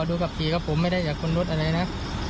ดูขับขี่ก็ผมไม่ได้จากคนรถอะไรนะ